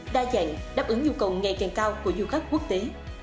đa dạng đáp ứng nhu cầu ngày càng cao của du khách quốc tế